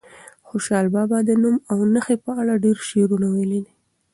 خوشحال بابا د نوم او نښې په اړه ډېر شعرونه ویلي دي.